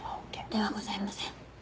ではございません。